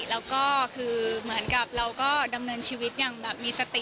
แล้วก็คือเหมือนกับเราก็ดำเนินชีวิตอย่างแบบมีสติ